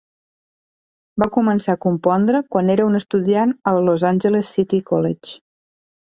Va començar a compondre quan era un estudiant al Los Angeles City College.